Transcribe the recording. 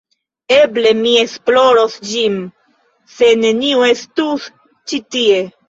Eble mi esploros ĝin, se neniu estus ĉi tie.